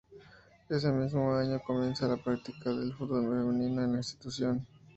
Ese mismo año comienza la práctica del fútbol femenino en la institución.